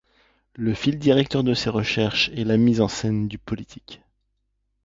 Le fil directeur de ses recherches est la mise en scène du politique.